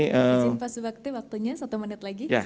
terima kasih pak subakte waktunya satu menit lagi silakan